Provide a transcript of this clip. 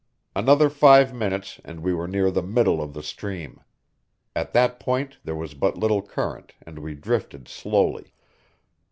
Another five minutes and we were near the middle of the stream. At that point there was but little current and we drifted slowly.